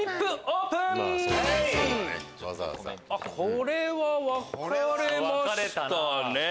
これは分かれましたね。